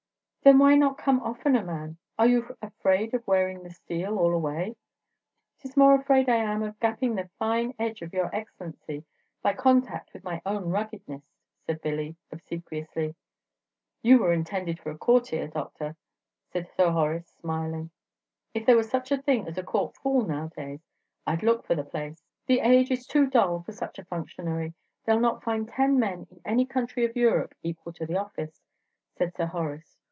"Then why not come oftener, man? Are you afraid of wearing the steel all away?" "'T is more afraid I am of gapping the fine edge of your Excellency by contact with my own ruggedness," said Billy, obsequiously. "You were intended for a courtier, Doctor," said Sir Horace, smiling. "If there was such a thing as a court fool nowadays, I'd look for the place." "The age is too dull for such a functionary. They'll not find ten men in any country of Europe equal to the office," said Sir Horace.